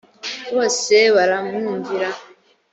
bose baramwumvira